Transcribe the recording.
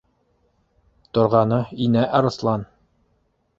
Торғаны инә арыҫлан!